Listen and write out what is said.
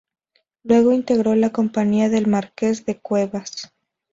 Luego integró la compañía del Marques de Cuevas.